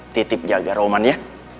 titip jaga roman ya